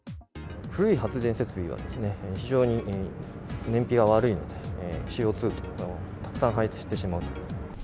古い発電設備は非常に燃費が悪いので、ＣＯ２をたくさん排出してしまうと。